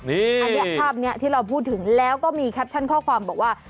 อันนี้ภาพนี้ที่เราพูดถึงแล้วก็มีแคปชั่นข้อความบอกว่า